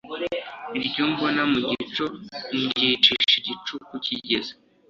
Iryo mbona mu gicoNdyicisha igicuku kigeze